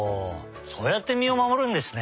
そうやって身をまもるんですね。